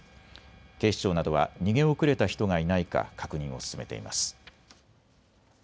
警視庁などは逃げ遅れた人がいないか確認を進めています。